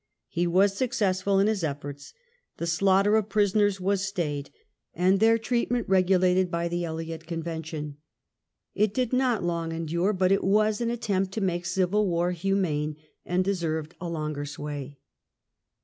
He was successful in his efforts, the slaughter of prisoners was stayed, and their treatment r^;u]ated by the Eliot CouTention. It did not long endure^ but it was an attempt to make dyil war humane, and deserved a longer sway.